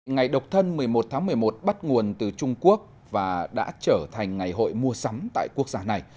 ngày độc thân một mươi một tháng một mươi một bắt nguồn từ trung quốc và đã trở thành ngày hội mua sắm tại quốc gia này